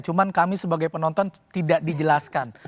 cuma kami sebagai penonton tidak dijelaskan